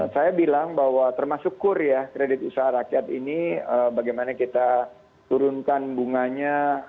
saya bilang bahwa termasuk kur ya kredit usaha rakyat ini bagaimana kita turunkan bunganya